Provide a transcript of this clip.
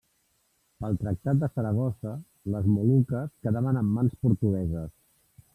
Pel Tractat de Saragossa, les Moluques quedaven en mans portugueses.